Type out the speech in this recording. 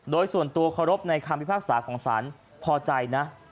โดยส่วนตัวเคารพในคำพิพากษาของศาลพอใจนะ